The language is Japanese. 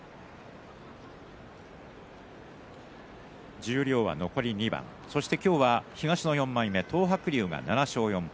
十両は残り２番そして今日は東の４枚目東白龍は７勝４敗